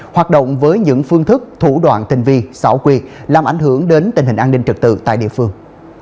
hoạt động với những phương thức thủ đoạn tình vi xảo quyệt làm ảnh hưởng đến tình hình an ninh trật tự tại địa phương